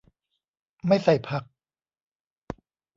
ไม่ใส่ผัก